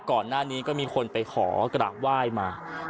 ก่อนหน้านี้ก็มีคนไปขอกราบไหว้มา